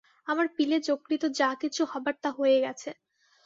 আমার পিলে যকৃৎ যা-কিছু হবার তা হয়ে গেছে।